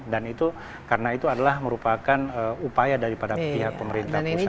dan itu karena itu adalah merupakan upaya daripada pihak pemerintah pusat juga